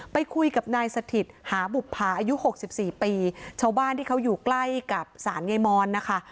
ไปคุยกับนายสถิตหาบุภาอายุหกสิบสี่ปีชาวบ้านที่เขาอยู่ใกล้กับศาลยายมอนนะคะ